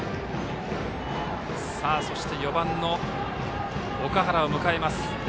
そして、４番の岳原を迎えます。